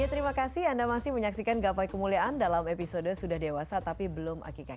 terima kasih anda masih menyaksikan gapai kemuliaan dalam episode sudah dewasa tapi belum akikah